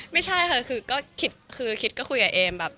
ไม่ใช่ค่ะคือคิดก็คุยกับเอมแบบ